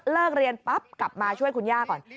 เรียนปั๊บกลับมาช่วยคุณย่าก่อน